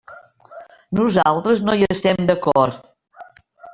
Nosaltres no hi estem d'acord.